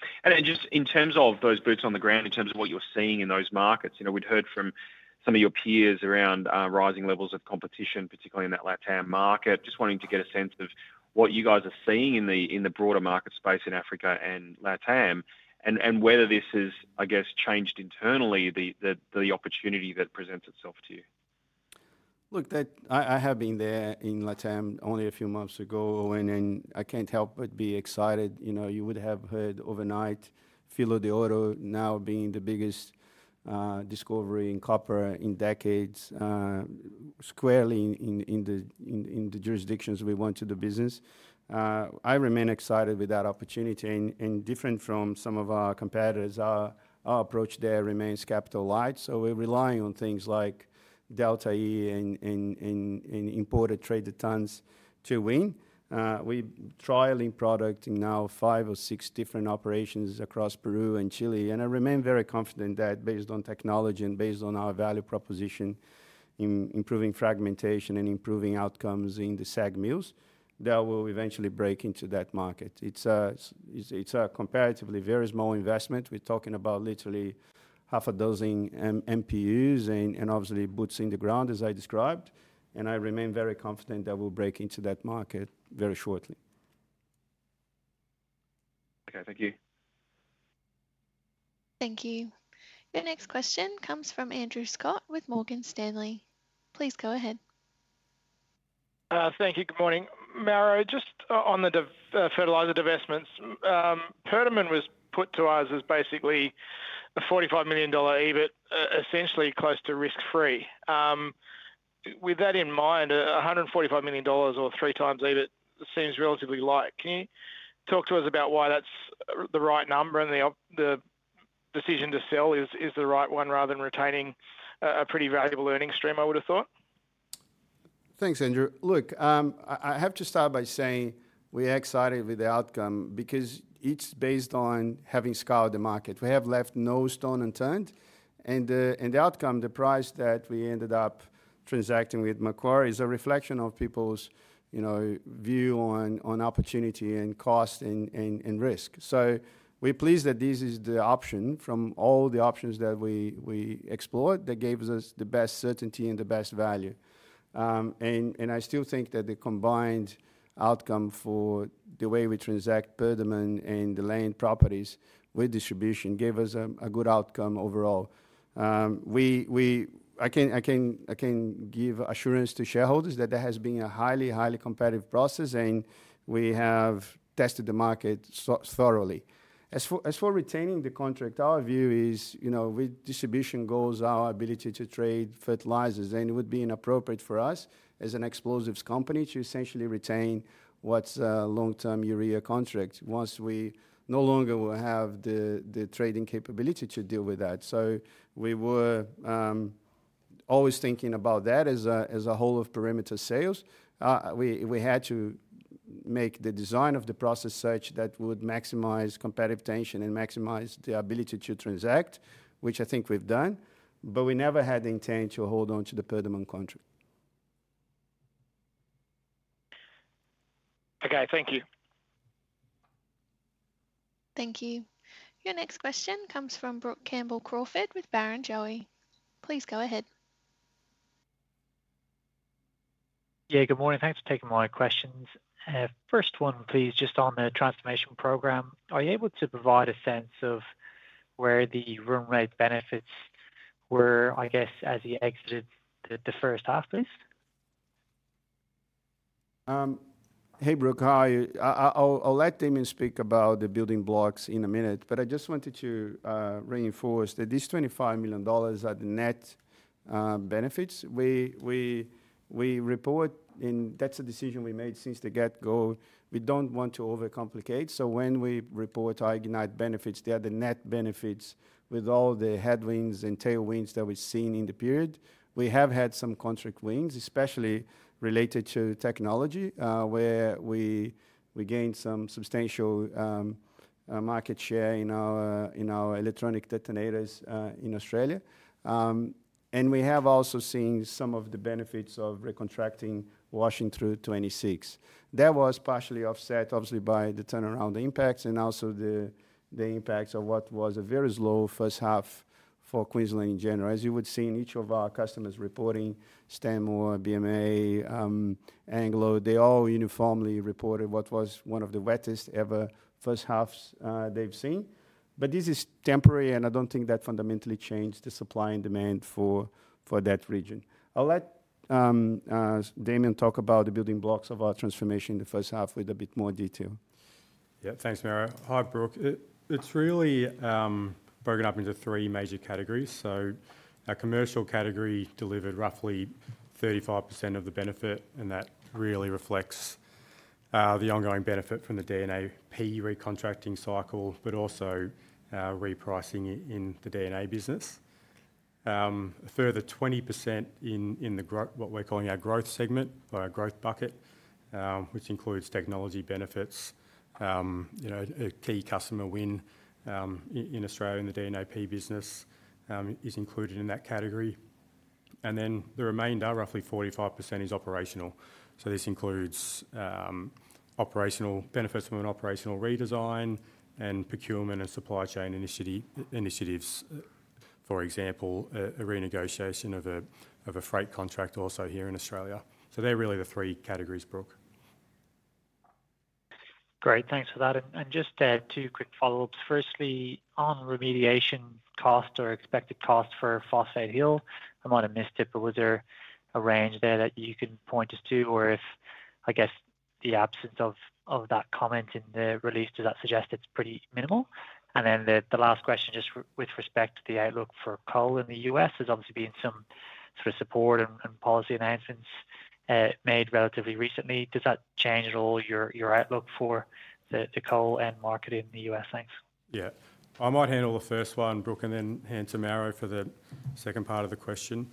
Just in terms of those boots on the ground, in terms of what you're seeing in those markets, we'd heard from some of your peers around rising levels of competition, particularly in that LatAm market. Just wanting to get a sense of what you guys are seeing in the broader market space in Africa and LatAm and whether this has, I guess, changed internally, the opportunity that presents itself to you.
Look, I have been there in LatAm only a few months ago, and I can't help but be excited. You would have heard overnight Filo de Oro, now being the biggest discovery in copper in decades, squarely in the jurisdictions we want to do business. I remain excited with that opportunity. Different from some of our competitors, our approach there remains capital light. We are relying on things like Delta E and imported traded tons to win. We are trialing product in now five or six different operations across Peru and Chile. I remain very confident that based on technology and based on our value proposition in improving fragmentation and improving outcomes in the SAG mills, that will eventually break into that market. It is a comparatively very small investment. We are talking about literally half a dozen MPUs and obviously boots in the ground, as I described. I remain very confident that we will break into that market very shortly.
Thank you.
Thank you. Your next question comes from Andrew Scott with Morgan Stanley. Please go ahead.
Thank you. Good morning. Mauro, just on the fertilizer divestments, Perdaman was put to us as basically a 45 million dollar EBIT, essentially close to risk-free. With that in mind, 145 million dollars or 3x EBIT seems relatively light. Can you talk to us about why that's the right number and the decision to sell is the right one rather than retaining a pretty valuable earning stream, I would have thought?
Thanks, Andrew. Look, I have to start by saying we are excited with the outcome because it's based on having scoured the market. We have left no stone unturned. The outcome, the price that we ended up transacting with Macquarie is a reflection of people's view on opportunity and cost and risk. We are pleased that this is the option from all the options that we explored that gave us the best certainty and the best value. I still think that the combined outcome for the way we transact Perdaman and the land properties with distribution gave us a good outcome overall. I can give assurance to shareholders that there has been a highly, highly competitive process, and we have tested the market thoroughly. As for retaining the contract, our view is with distribution goals, our ability to trade fertilizers, then it would be inappropriate for us as an explosives company to essentially retain what's a long-term urea contract once we no longer will have the trading capability to deal with that. We were always thinking about that as a whole of perimeter sales. We had to make the design of the process such that would maximize competitive tension and maximize the ability to transact, which I think we've done. We never had the intent to hold on to the Perdaman contract.
Okay, thank you.
Thank you. Your next question comes from Brook Campbell-Crawford with Barrenjoey. Please go ahead.
Yeah, good morning. Thanks for taking my questions. First one, please, just on the transformation program. Are you able to provide a sense of where the room rate benefits were, I guess, as you exited the first half, please?
Hey, Brook, how are you? I'll let Damian speak about the building blocks in a minute, but I just wanted to reinforce that these 25 million dollars are the net benefits. We report, and that's a decision we made since the get-go. We don't want to overcomplicate. When we report our ignite benefits, they are the net benefits with all the headwinds and tailwinds that we've seen in the period. We have had some contract wins, especially related to technology, where we gained some substantial market share in our electronic detonators in Australia. We have also seen some of the benefits of recontracting Washington through 2026. That was partially offset, obviously, by the turnaround impacts and also the impacts of what was a very slow first half for Queensland in general. As you would see in each of our customers reporting, Stem or BMA, Anglo, they all uniformly reported what was one of the wettest ever first halves they've seen. This is temporary, and I don't think that fundamentally changed the supply and demand for that region. I'll let Damian talk about the building blocks of our transformation in the first half with a bit more detail.
Yeah, thanks, Mauro. Hi, Brook. It's really broken up into three major categories. Our commercial category delivered roughly 35% of the benefit, and that really reflects the ongoing benefit from the DNA P recontracting cycle, but also repricing in the DNA business. A further 20% in what we're calling our growth segment, our growth bucket, which includes technology benefits, a key customer win in Australia in the DNA P business is included in that category. The remainder, roughly 45%, is operational. This includes operational benefits from an operational redesign and procurement and supply chain initiatives, for example, a renegotiation of a freight contract also here in Australia. They're really the three categories, Brook.
Great. Thanks for that. Just two quick follow-ups. Firstly, on remediation cost or expected cost for Phosphate Hill, I might have missed it, but was there a range there that you can point us to? If, I guess, the absence of that comment in the release, does that suggest it's pretty minimal? Then the last question, just with respect to the outlook for coal in the U.S., there's obviously been some sort of support and policy announcements made relatively recently. Does that change at all your outlook for the coal and market in the U.S.? Thanks.
Yeah. I might handle the first one, Brook, and then hand to Mauro for the second part of the question.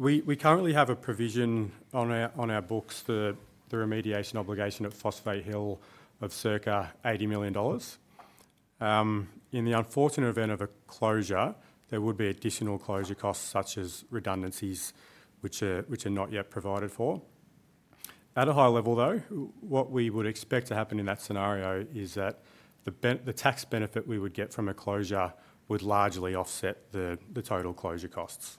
We currently have a provision on our books, the remediation obligation at Phosphate Hill, of circa 80 million dollars. In the unfortunate event of a closure, there would be additional closure costs such as redundancies, which are not yet provided for. At a high level, though, what we would expect to happen in that scenario is that the tax benefit we would get from a closure would largely offset the total closure costs.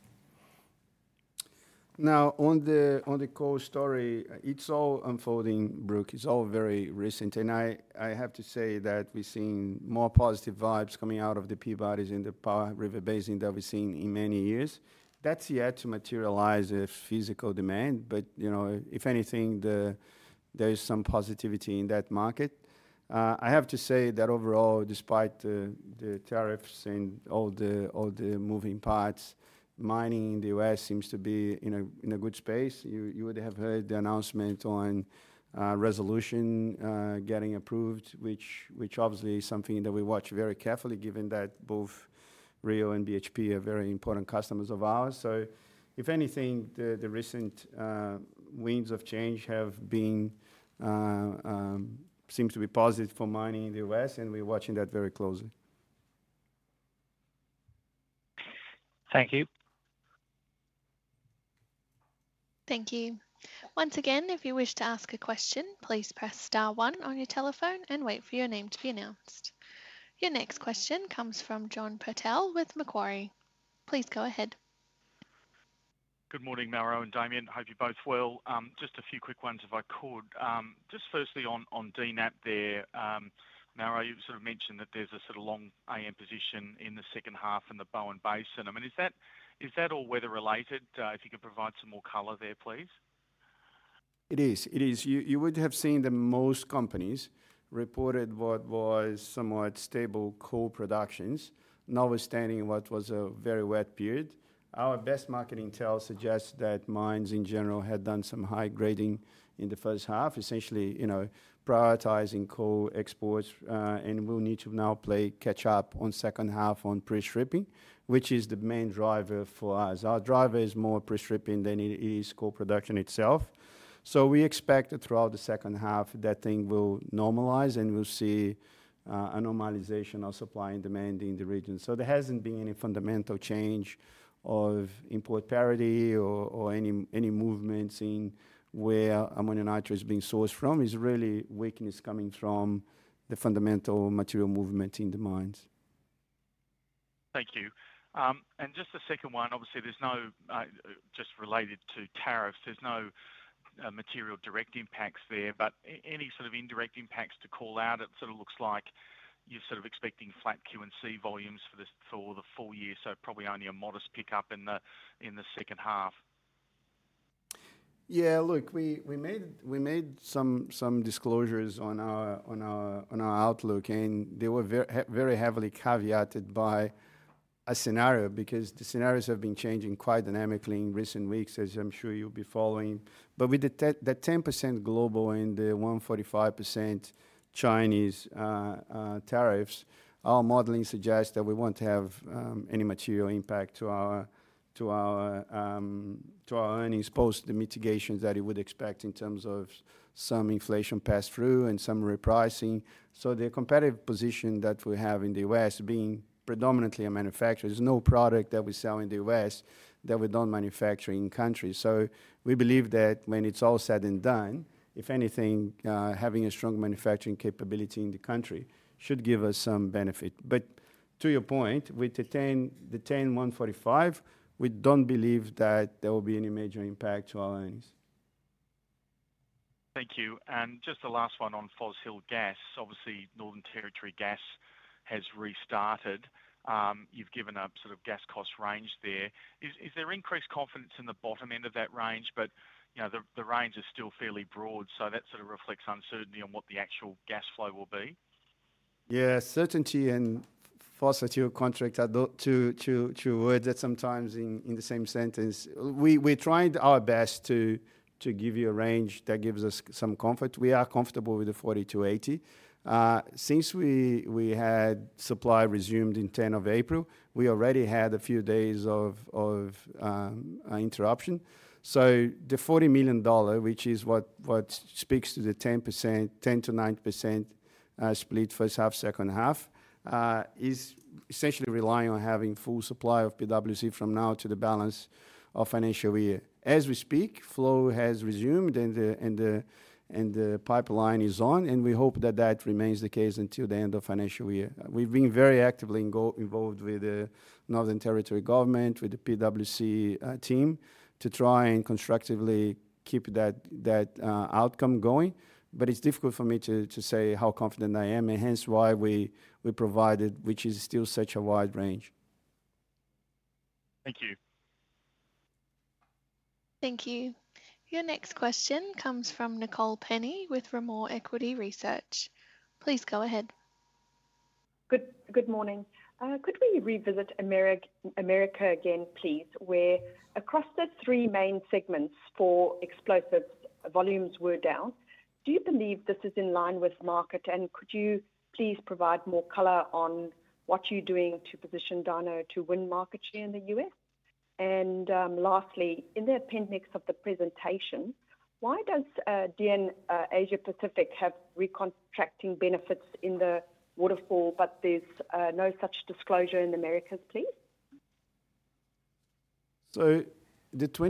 Now, on the coal story, it's all unfolding, Brook. It's all very recent. I have to say that we've seen more positive vibes coming out of the Peabody Energy and the Powder River Basin than we've seen in many years. That's yet to materialize as physical demand, but if anything, there is some positivity in that market. I have to say that overall, despite the tariffs and all the moving parts, mining in the U.S. seems to be in a good space. You would have heard the announcement on Resolution getting approved, which obviously is something that we watch very carefully, given that both Rio and BHP are very important customers of ours. If anything, the recent winds of change have seemed to be positive for mining in the U.S., and we're watching that very closely.
Thank you.
Thank you. Once again, if you wish to ask a question, please press star one on your telephone and wait for your name to be announced. Your next question comes from John Purtell with Macquarie. Please go ahead.
Good morning, Mauro and Damian. Hope you both well. Just a few quick ones if I could. Just firstly on DNAP there, Mauro, you sort of mentioned that there's a sort of long AM position in the second half in the Bowen Basin. I mean, is that all weather-related? If you could provide some more color there, please.
It is. It is. You would have seen that most companies reported what was somewhat stable coal productions, notwithstanding what was a very wet period. Our best marketing tells suggest that mines in general had done some high grading in the first half, essentially prioritizing coal exports, and will need to now play catch-up on second half on pre-stripping, which is the main driver for us. Our driver is more pre-stripping than it is coal production itself. We expect that throughout the second half, that thing will normalize and we'll see a normalization of supply and demand in the region. There has not been any fundamental change of import parity or any movements in where ammonium nitrate is being sourced from. It is really weakness coming from the fundamental material movement in the mines.
Thank you. And just a second one. Obviously, there's no, just related to tariffs, there's no material direct impacts there, but any sort of indirect impacts to call out, it sort of looks like you're sort of expecting flat Q and C volumes for the full year, so probably only a modest pickup in the second half.
Yeah, look, we made some disclosures on our outlook, and they were very heavily caveated by a scenario because the scenarios have been changing quite dynamically in recent weeks, as I'm sure you'll be following. With the 10% global and the 145% Chinese tariffs, our modeling suggests that we won't have any material impact to our earnings post the mitigations that you would expect in terms of some inflation pass-through and some repricing. The competitive position that we have in the U.S., being predominantly a manufacturer, there's no product that we sell in the U.S. that we don't manufacture in-country. We believe that when it's all said and done, if anything, having a strong manufacturing capability in the country should give us some benefit. To your point, with the 10%, 145%, we don't believe that there will be any major impact to our earnings.
Thank you. Just the last one on fossil gas. Obviously, Northern Territory gas has restarted. You've given a sort of gas cost range there. Is there increased confidence in the bottom end of that range, but the range is still fairly broad, so that sort of reflects uncertainty on what the actual gas flow will be?
Yeah, certainty and fossil fuel contracts are two words that sometimes are in the same sentence. We're trying our best to give you a range that gives us some comfort. We are comfortable with the 40-80. Since we had supply resumed in 10 of April, we already had a few days of interruption. So the 40 million dollar, which is what speaks to the 10%-9% split first half, second half, is essentially relying on having full supply of PWC from now to the balance of financial year. As we speak, flow has resumed and the pipeline is on, and we hope that that remains the case until the end of financial year. We've been very actively involved with the Northern Territory government, with the PWC team, to try and constructively keep that outcome going. It is difficult for me to say how confident I am, and hence why we provided, which is still such a wide range.
Thank you.
Thank you. Your next question comes from Nicole Penny with Rimor Equity Research. Please go ahead.
Good morning. Could we revisit America again, please, where across the three main segments for explosives, volumes were down? Do you believe this is in line with market, and could you please provide more color on what you're doing to position Dyno to win market share in the U.S.? Lastly, in the appendix of the presentation, why does DN Asia Pacific have restructuring benefits in the waterfall, but there's no such disclosure in America's, please?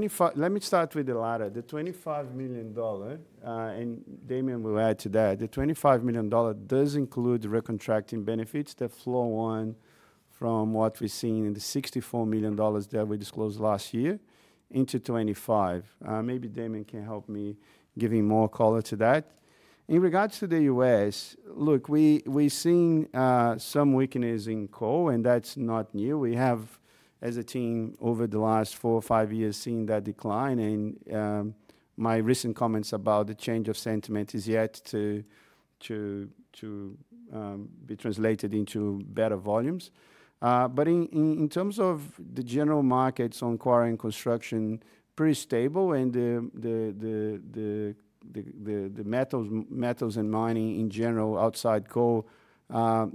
Let me start with the latter. The 25 million dollar, and Damian will add to that, the 25 million dollar does include the restructuring benefits, the flow on from what we've seen in the 64 million dollars that we disclosed last year into 2025. Maybe Damian can help me give more color to that. In regards to the U.S., look, we've seen some weakness in coal, and that's not new. We have, as a team, over the last four or five years, seen that decline, and my recent comments about the change of sentiment is yet to be translated into better volumes. In terms of the general markets on quarry and construction, pretty stable, and the metals and mining in general outside coal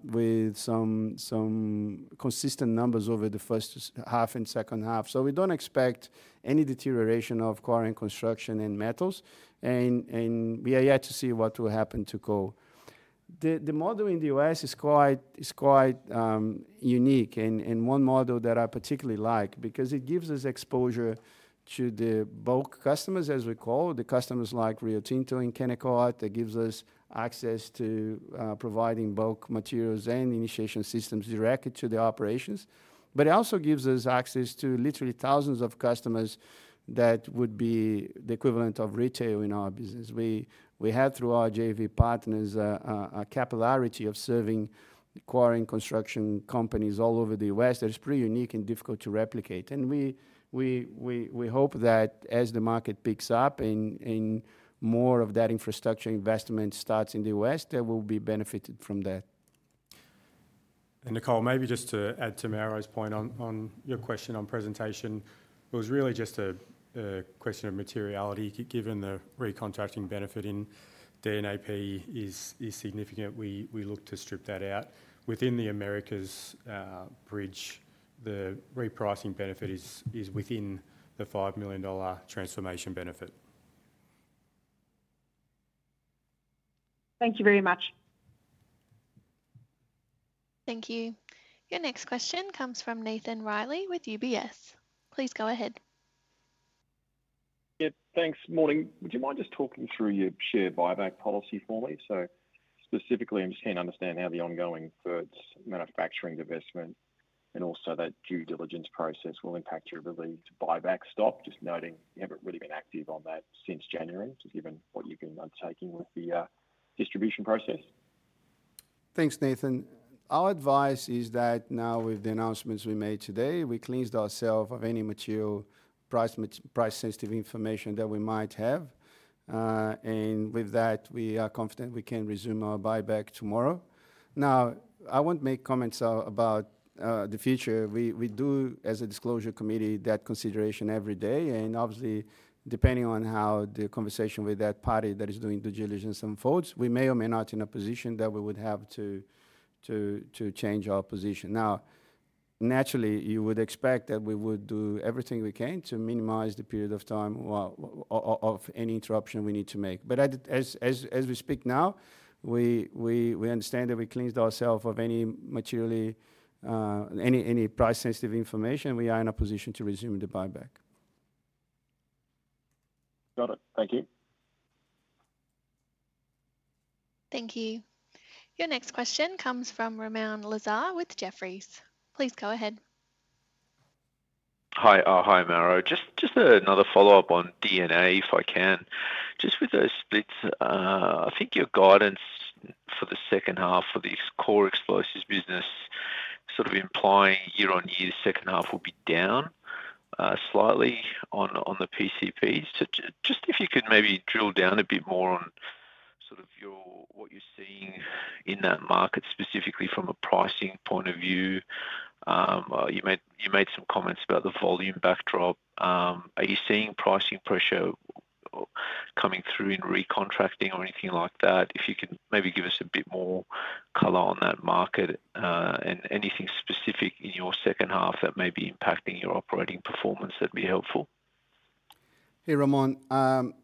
with some consistent numbers over the first half and second half. We don't expect any deterioration of quarry and construction and metals, and we are yet to see what will happen to coal. The model in the U.S. is quite unique, and one model that I particularly like because it gives us exposure to the bulk customers, as we call, the customers like Rio Tinto in Kennecott that gives us access to providing bulk materials and initiation systems directly to the operations. It also gives us access to literally thousands of customers that would be the equivalent of retail in our business. We have, through our JV partners, a capillarity of serving quarry and construction companies all over the U.S. that is pretty unique and difficult to replicate. We hope that as the market picks up and more of that infrastructure investment starts in the U.S., there will be benefit from that.
Nicole, maybe just to add to Mauro's point on your question on presentation, it was really just a question of materiality. Given the reconstructing benefit in DNAP is significant, we look to strip that out. Within the Americas bridge, the repricing benefit is within the 5 million dollar transformation benefit.
Thank you very much.
Thank you. Your next question comes from Nathan Reilly with UBS. Please go ahead.
Yep. Thanks. Morning. Would you mind just talking through your share buyback policy for me? So specifically, I'm just trying to understand how the ongoing first manufacturing investment and also that due diligence process will impact your ability to buy back stock? Just noting you haven't really been active on that since January, given what you've been undertaking with the distribution process.
Thanks, Nathan. Our advice is that now with the announcements we made today, we cleaned ourselves of any material price-sensitive information that we might have. With that, we are confident we can resume our buyback tomorrow. Now, I won't make comments about the future. We do, as a disclosure committee, that consideration every day. Obviously, depending on how the conversation with that party that is doing due diligence unfolds, we may or may not be in a position that we would have to change our position. Naturally, you would expect that we would do everything we can to minimize the period of time of any interruption we need to make. As we speak now, we understand that we cleaned ourselves of any price-sensitive information. We are in a position to resume the buyback.
Got it. Thank you.
Thank you. Your next question comes from Ramoun Lazar with Jefferies. Please go ahead.
Hi. Hi, Mauro. Just another follow-up on DNA, if I can. Just with those splits, I think your guidance for the second half for this core explosives business, sort of implying year on year, the second half will be down slightly on the PCPs. Just if you could maybe drill down a bit more on sort of what you're seeing in that market, specifically from a pricing point of view. You made some comments about the volume backdrop. Are you seeing pricing pressure coming through in recontacting or anything like that? If you can maybe give us a bit more color on that market and anything specific in your second half that may be impacting your operating performance, that'd be helpful.
Hey, Ramoun.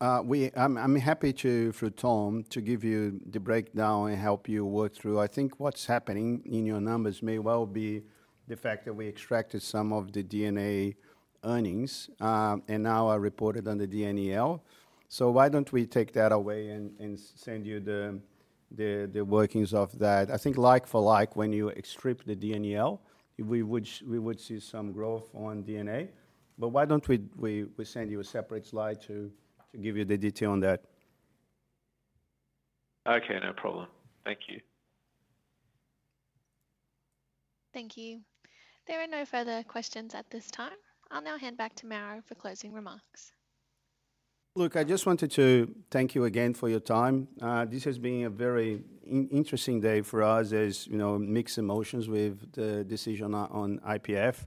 I'm happy to, through Tom, to give you the breakdown and help you work through. I think what's happening in your numbers may well be the fact that we extracted some of the DNA earnings and now are reported under DNEL. So why don't we take that away and send you the workings of that? I think like for like, when you strip the DNEL, we would see some growth on DNA. But why don't we send you a separate slide to give you the detail on that?
Okay. No problem. Thank you.
Thank you. There are no further questions at this time. I'll now hand back to Mauro for closing remarks.
Look, I just wanted to thank you again for your time. This has been a very interesting day for us. There's mixed emotions with the decision on IPF.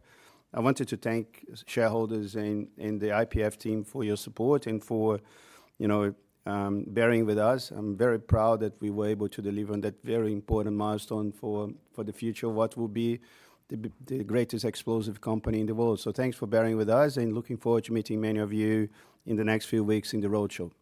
I wanted to thank shareholders and the IPF team for your support and for bearing with us. I'm very proud that we were able to deliver on that very important milestone for the future, what will be the greatest explosive company in the world. Thanks for bearing with us and looking forward to meeting many of you in the next few weeks in the roadshow.